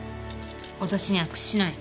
脅しには屈しない。